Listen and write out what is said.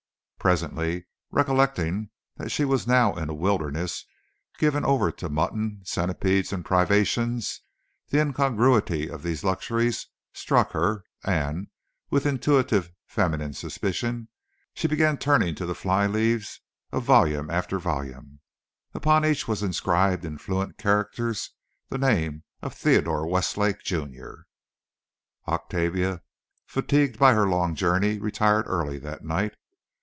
Presently, recollecting that she was now in a wilderness given over to mutton, centipedes and privations, the incongruity of these luxuries struck her, and, with intuitive feminine suspicion, she began turning to the fly leaves of volume after volume. Upon each one was inscribed in fluent characters the name of Theodore Westlake, Jr. Octavia, fatigued by her long journey, retired early that night.